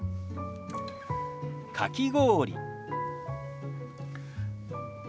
「かき氷」。